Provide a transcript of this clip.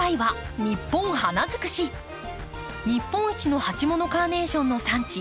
日本一の鉢物カーネーションの産地